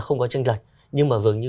không có trình lệch nhưng mà dường như